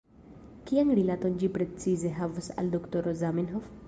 Kian rilaton ĝi precize havas al doktoro Zamenhof?